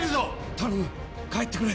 頼む帰ってくれ